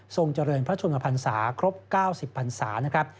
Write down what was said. ทรงเจริญพระชุมภรรษาครบ๙๐ภรรษานะครับ